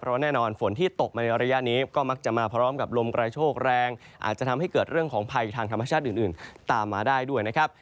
เพราะแน่นอนฝนที่ตกมาในระยะนี้ก็มักจะมาพร้อมกับลมกระโชคแรงอาจจะทำให้เกิดเรื่องของภัยทางธรรมชาติอื่นตามมาได้ด้วยนะครับ